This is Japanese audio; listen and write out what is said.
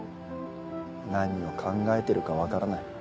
何を考えてるか分からない。